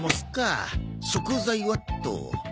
食材はっと。